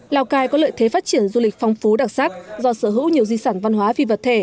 lào cai có lợi thế phát triển du lịch phong phú đặc sắc do sở hữu nhiều di sản văn hóa phi vật thể